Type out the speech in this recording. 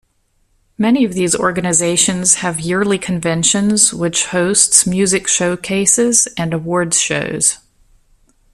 Many of these organizations have yearly conventions which hosts music showcases and awards shows.